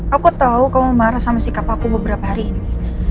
aku tahu kamu marah sama sikap aku beberapa hari ini